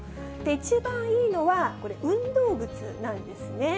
一番いいのは、これ、運動靴なんですね。